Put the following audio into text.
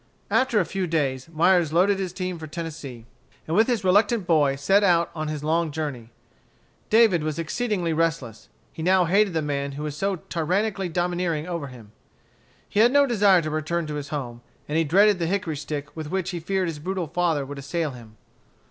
After a few days, Myers loaded his team for Tennessee, and with his reluctant boy set out on his long journey. David was exceedingly restless. He now hated the man who was so tyranically domineering over him. He had no desire to return to his home, and he dreaded the hickory stick with which he feared his brutal father would assail him.